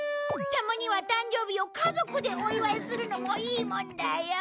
たまには誕生日を家族でお祝いするのもいいもんだよ。